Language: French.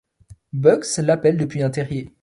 Bugs l'appelle depuis un terrier.